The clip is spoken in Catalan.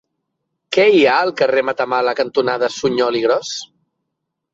Què hi ha al carrer Matamala cantonada Suñol i Gros?